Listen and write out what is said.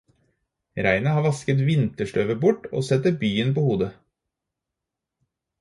Regnet har vasket vinterstøvet bort og setter byen på hodet.